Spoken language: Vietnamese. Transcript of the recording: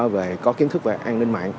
về có kiến thức về an ninh mạng